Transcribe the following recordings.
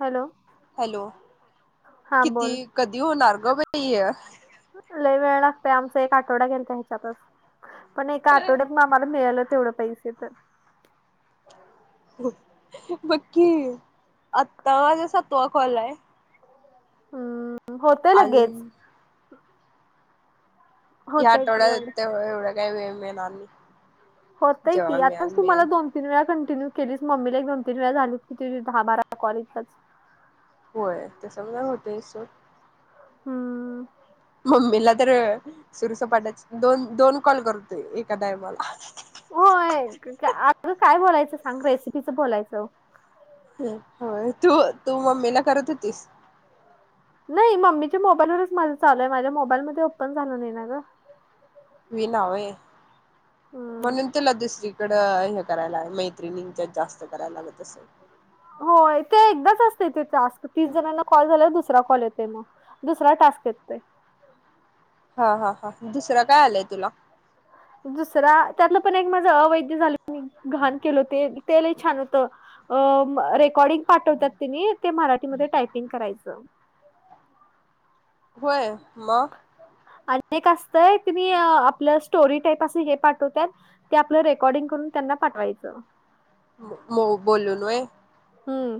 Hello. Hello हा किती बोल कधी होणार ग बाई य? लय वेळ लागतय आमचा एक आठवडा गेलता ह्याच्यातच, पण एका आठवड्यात आम्हाला मिळालं तेवढं पैसे तर. बघ की आता माझा सात वा कॉल हाय. हम्म होतंय लगेच. अजून या आठवड्यात य एवढं काय वेळ मिळणार नाही. होतय जेव्हा की मिळेल आताच मिळेल तुम्हाला दोन तीन वेळा कंटिन्यू केलीस म्मीला एक दोन तीन वेळा झालीत की तुझी दहा बारा कॉल इथच. होय तस मग होतय सोड. हम्म. मम्मीला तर सुरूसपाठायच दोन दोन कॉल करतोय ऐका टाईमाला. होय अग काय बोलायचं सांग, रेसिपीच बोलायचं. होय तू तू मम्मीला करत होतीस? नाही मम्मीच्या मोबाईलवरच माझं चालू हाय, माझ्या मोबाईल मध्ये ओपन झालं नाही ना ग. वि नाव होय, हम्म म्हणून तुला दुसरी कड हे करायला मैत्रिणींच्यात जास्त करायला लागत असल? होय ते एकदाच असतय ते टास्क, तीस जणांना कॉल झाल्याव दुसऱ सरा कॉल येतोय मग दुसरा टास्क येतोय. हा हा हा दुसरं काय आलंय तुला? दुसरा त्यातलं पण एक माझं अवैध झालं मी घाण केलो ते ते लय छान होत, रेकॉर्डिंग पाठवत्यात तिनी ते मराठीमध्ये टायपिंग करायचं. होय, मग? अनेक असतय ती मी आपलं स्टोरी टाईप असं हे पाठवत्यात ते आपलं रेकॉर्डिंग करून त्यांना पाठवायचं. मी बोलून होय? हम्म.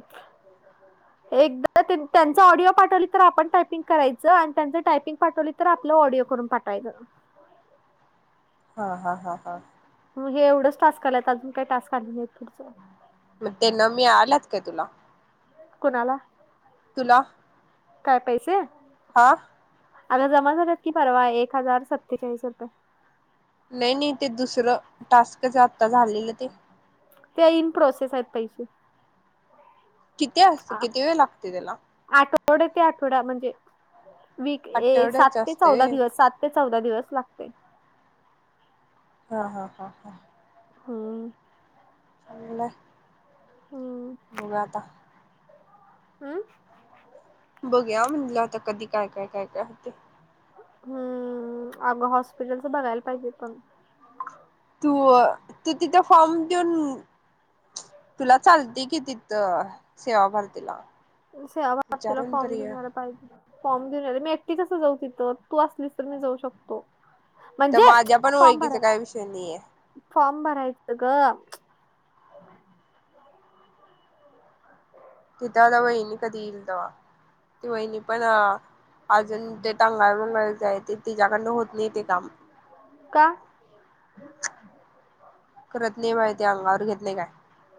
[inaudible] एकदा त्यांच ऑडिओ पाठवली तर आपण टायपिंग करायचं, आणि त्यांचं टायपिंग पाठवली तर आपलं ऑडिओ करून पाठवायचं. हा हा हा हा. मग हे एवढंच टास्क आल्यात, अजून काही टास्क आले नाहीत, पुढचं. मग तेन मिळाल्यात काय तुला? कुणाला? तुला? काय पैसे? हा? आता जमा झाल्यात की परवा एक हजार सत्तेचाळीस रुपये. नाही, नाही ते दुसरं टास्कच आता झालेलं ते? ते, इन प्रोसेस आहेत पैसे. किती असते, किती वेळ लागतोय तेला? आठवडा ते आठवडा म्हणजे वीक ये सात आठवड्याच ते चौदा असते दिवस, व्हय सात ते चौदा दिवस लागतय. हा हा हा हा. हम्म चालंलय हम मग आता हम. बघुया म्हणलं, आता कधी काय, काय, काय, काय होते? हम्म, अगं हॉस्पिटलच बघायला पाहिजे, पण. तू, तू तिथे फॉर्म देऊन तुला चालते कि, तिथं सेवा भारतीला. सेवाभारतीला विचारून फॉर्म तरी ये. देेवून यायला पाहिजे. फॉर्म देऊन आली, मी एकटी कस जाऊ तिथं? तू असलीस तर मी जाऊ शक त्या माझ्या पण ओळखीचा भरा काय विषय नाहीये फॉर्म भरायचं ग. तिथं आता वहिनी कधी इल तवा, ती वहिनी पण अं अजून ते टंगळ मंगळ च हाय, ते तिच्याकडनं होत नाही ते काम. का? करत नाही बाई ती, अंगावर घेत नाही काय.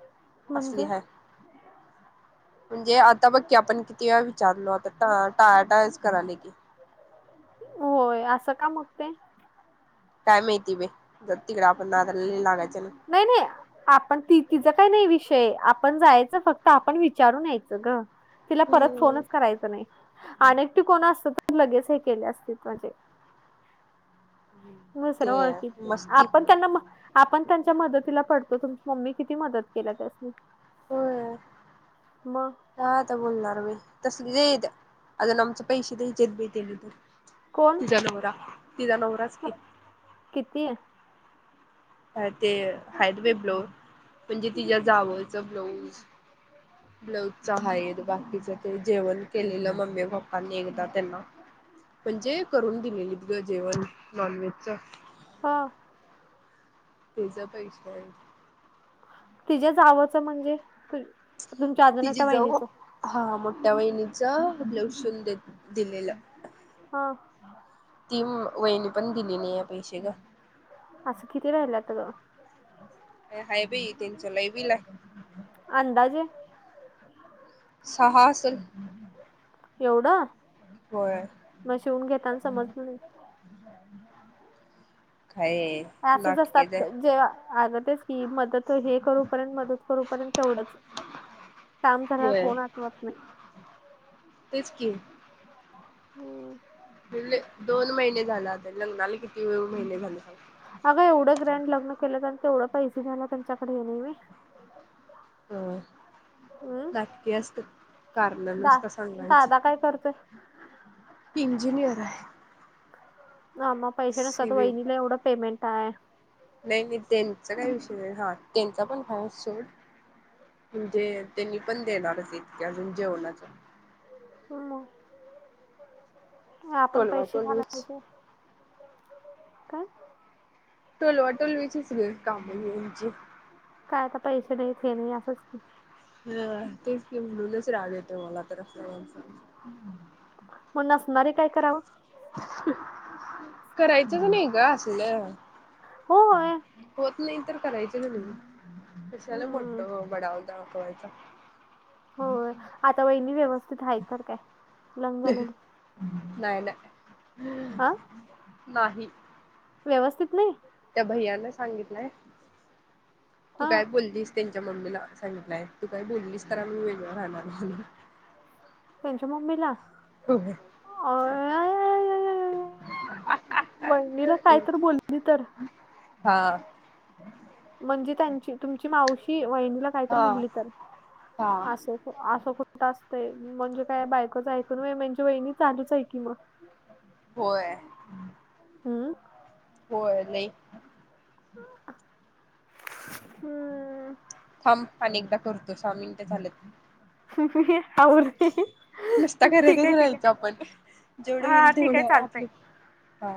[inaudible] असली म्हणजे हाय. म्हणजे आता बघ की, आपण किती वेळा विचारलो? आता टाळ टाळाटाळच कराल्या की. होय, असं का मग ते? काय माहिती बाई? जाऊ दे तिकडं, आपण नादाला नाही लागायच न. नाही, नाही. आपण ती तिचा काय नाही विषय, आपण जायचं फक्त. आपण विचारून यायचं ग. तिला परत हम्म फोनच करायचा नाही. अन् एकटी कोण असत तर लगेच हे केले असतील, म्हणजे [inaudible] दुसरं ते ओळखीच, मस्ती आपण त्यांना म आपण त्यांच्या मदतीला पडतो. तुमची मम्मी किती मदत केल्या त्यासनी? होय [inaudible] मग. काय आता बोलणार मी? तसलीत. अजून आमचे पैसे द्यायचेेत बाई, त्यांनी तर कोण तिचा नवरा, तिचा नवराच की. कितीय? काय ते हायित बाई ब्लाऊज. म्हणजे, तिच्या जावंच ब्लाऊज ब्लाऊजच आहे. बाकीच ते जेवण केलेलं मम्मी, पप्पांनी एकदा त्यांना. म्हणजे, करून दिलेली त गं जेवण नॉनव्हेज च. हा. त्याचं पैशा आहे. तिच्या जावंच म्हणजे? तु तुमच्या अजून तिची एकट्या जाऊ, बहिणीचं हा मोठ्या वहिनीच ब्लाऊज शिवुन दी दिलेलं. हा ती म वहीनी पण दिली नाही या पैसे गं. असं किती राहील्यात गं हाय बी त्यांच्या बी ला हाय. अंदाजे सहा असंल एवढं? होय मग शिवून घेताना समजलं नाही [inaudible] काय हे असंच असतात, नाटकेच आहे जेव्हा अग तेच कि मदत हे करूपर्यंत मदत करूपर्यंत तेवढंच काम करायला होय कोण आठवत नाही तेच की हम्म बील दोन महिने झाला आता लग्नाला किती महिने झाले सागं अगं एवढं ब्रॅड लग्न केलं जा तेवढं पैसे द्यायेला त्यांच्याकडे ये नाही होय होय हम्म नाटक्की असत्यात कारण दा नुसत दादा काय करतोय? सांगायची इंजिनियर आहे ह मग पैसे नसतात सिव्हिल वहिनीला एवढं पेमेंट आहे नाही नाही त्यांचा काही विषय नाही हा त्यांचा पण हाय सोड म्हणजे त्यांनी पण देणारच हायतकी अजून जेवणाच हम् मग आपण टोलवा पैसे टोलवीच घायलायचं काय टोलवाटोल विचीच ग काम ह्यानची काय आता पैसे नाही तेे नाही असंच की हा तेच की म्हणूनच राग येतो मला तर असल्या माणसांचा म नसनारी काय करावं करायचंच नाही ग असलं होय होत नाही तर करायच नाही कशाला हम्म मोठ बडाव दाखवायचा होय आता वहिणी व्यवस्थित आहे तर काय लंग्न झालेली नाय नाय ह हा नाही व्यवस्थित नाही त्या भैयाना सांगितलंय तू हा काय बोलीस त्यांच्या मम्मीला सांगितलंय तू काही बोललीस तर आम्ही वेगळं राहणार म्हणुन ह ह त्यांच्या मम्मीला होय वहिणीला काय तर बोली तर हा म्हणजे त्यांची तुमची मावशी वहिणीला काय तर हा म्हटली तर हा आस आसं कुठ आसतय म्हणजे काय बायकच ऐकून म्हणजे वहिणी चालूच आहे की मग होय हुम्म होय लई हुम्म थांब आने एकदा करतो सहा मिनट झालेत ह ह आवर ह नुसता ठीक करतच आहे ठीक राहायचं आपण जेवढं आहे हा होईल ठीक आहे तेवढं चालतंय आपलं हा